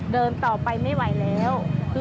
เดินต่อไปไม่ไหวแล้ว